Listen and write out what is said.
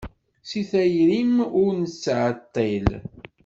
S tayri-m ur nettɛeṭṭil.